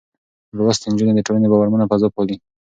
لوستې نجونې د ټولنې باورمنه فضا پالي.